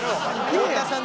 太田さん